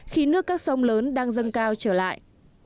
khi nước các sông lớn đang dâng cao trở lại